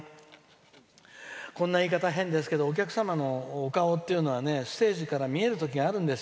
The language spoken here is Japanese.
こんな言い方変ですけどお客様のお顔ってのはステージから見えるときがあるんです。